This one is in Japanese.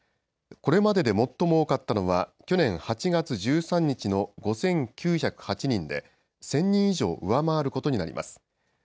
これまでで最も多かったのは去年８月１３日の５９０８人で１０００人以上、上回ることになります。